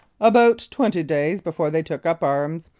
About twenty days before they took up arms.